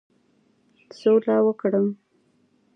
سوله وکړم.